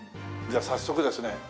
じゃあ早速ですね